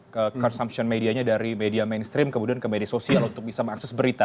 ke consumption medianya dari media mainstream kemudian ke media sosial untuk bisa mengakses berita